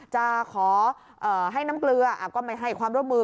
จะขอให้น้ำเกลือก็ไม่ให้ความร่วมมือ